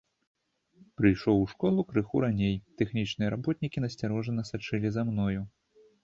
Прыйшоў у школу крыху раней, тэхнічныя работнікі насцярожана сачылі за мною.